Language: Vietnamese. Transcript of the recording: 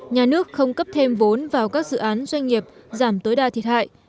nhà nước không cấp thêm vốn vào các dự án doanh nghiệp giảm tối đa thiệt hại